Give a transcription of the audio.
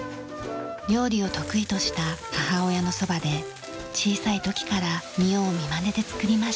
料理を得意とした母親のそばで小さい時から見よう見まねで作りました。